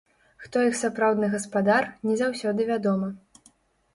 Хто іх сапраўдны гаспадар, не заўсёды вядома.